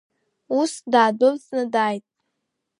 Ус даадәылҵны дааит.